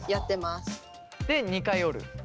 で２回折る。